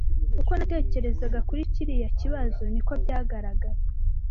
Uko natekerezaga kuri kiriya kibazo, niko byagaragaye.